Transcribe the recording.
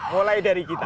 mulai dari kita